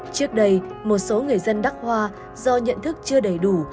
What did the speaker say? trước đây một số người dân đắc hoa do nhận thức chưa đầy đủ